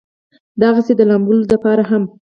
دغسې د لامبلو د پاره هم